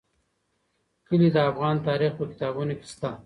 کلي د افغان تاریخ په کتابونو کې شته.